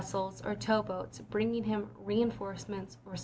sels or tow boats bringing him reenforcements or W. R.